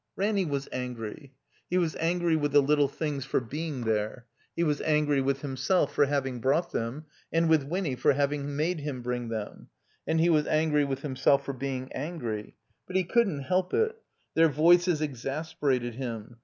Ranny was angry. He was angry with the little things for being there. He was angry with himself for having brought them, and with Winny for having made him bring them; and he was angry with him self for being angry. But he cotddn't help it. Their voices exasperated him.